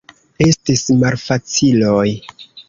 Estis malfaciloj.